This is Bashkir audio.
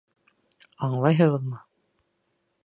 Аңлайһығыҙмы?